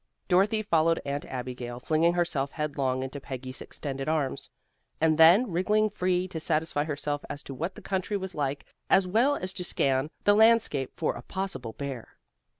Dorothy followed Aunt Abigail, flinging herself headlong into Peggy's extended arms, and then wriggling free to satisfy herself as to what the country was like, as well as to scan the landscape for a possible bear.